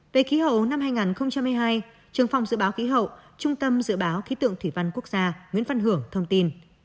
về khí hậu năm hai nghìn hai mươi hai trường phòng dự báo khí hậu trung tâm dự báo khí tượng thủy văn quốc gia nguyễn văn hưởng thông tin